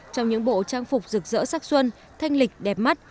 trong những bộ trang phục rực rỡ sắc xuân thanh lịch đẹp mắt